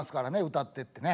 「歌って」ってね。